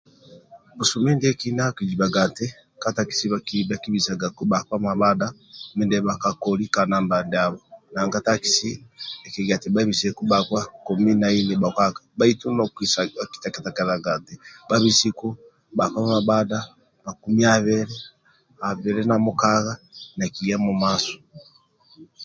Busumi ndie kina akizibaga eti ka takisi bhakibisagaku bhakpa mamadha ndihe bhakakoli ka namba ndiabho nanga takisi akigia eti bhabiseku komi na ini bhokaka bhaitu okutakanaga bhabisiku bhakpa mamadha makumi abili abili na mukagha nakiya mumaso